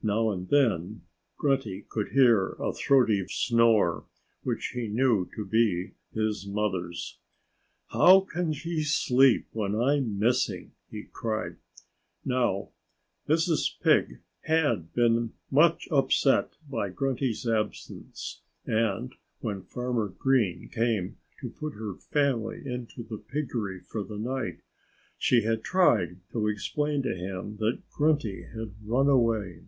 Now and then Grunty could hear a throaty snore, which he knew to be his mother's. "How can she sleep, when I'm missing?" he cried. Now, Mrs. Pig had been much upset by Grunty's absence. And when Farmer Green came to put her family into the piggery for the night she had tried to explain to him that Grunty had run away.